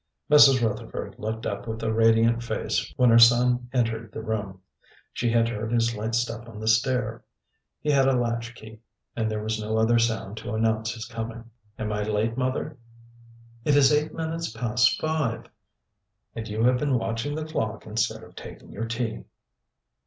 Mrs. Rutherford looked up with a radiant face when her son entered the room. She had heard his light step on the stair. He had a latchkey, and there was no other sound to announce his coming. "Am I late, mother?" "It is eight minutes past five." "And you have been watching the clock instead of taking your tea."